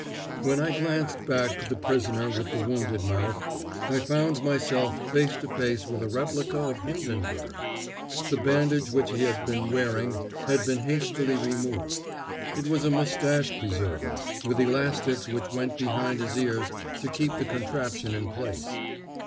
When I glanced back to the prisoner with the wounded mouth, I found myself face to face with a replica of Hindenburg. The bandage which he had been wearing had been hastily removed. It was a moustache preserver, with elastics which went behind his ears to keep the contraption in place.